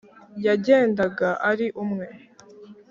yagendaga ari umwe.